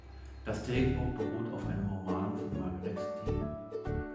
Das Drehbuch beruht auf einem Roman von Margaret Diehl.